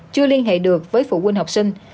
chưa liên hệ được với phụ huynh học sinh